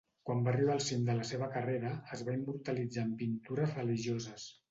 Quan va arribar al cim de la seva carrera, es va immortalitzar en pintures religioses.